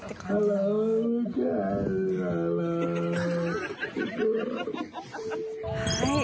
はい。